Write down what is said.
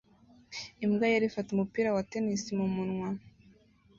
Imbwa yera ifata umupira wa tennis mumunwa